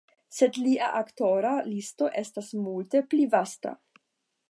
Sed lia aktora listo estas multe pli vasta.